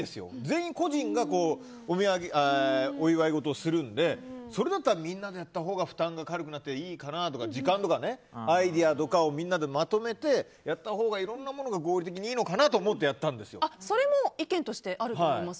全員、個人がお祝いごとをするのでそれだったら、みんなでやったほうが負担が軽くなっていいかなとか時間とかアイデアとかをみんなでまとめてやったほうがいろんなものが合理的でいいのかなとそれも意見としてあると思います。